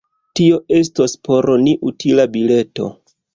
Tio estos por ni utila bileto!